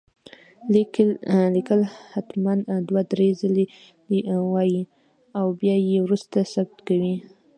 ليکل هتمن دوه دري ځلي وايي او بيا يي وروسته ثبت کوئ